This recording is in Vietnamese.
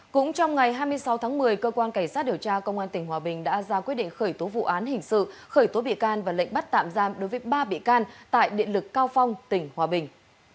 cũng trong ngày hai mươi sáu tháng một mươi cơ quan cảnh sát điều tra công an tỉnh hòa bình đã ra quyết định khởi tố vụ án hình sự khởi tố bị can và lệnh bắt tạm giam đối với ba bị can tại điện lực cao phong tỉnh hòa bình